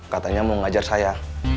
katanya mau ngajar saya